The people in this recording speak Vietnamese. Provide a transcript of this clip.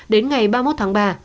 đến ngày ba mươi một tháng ba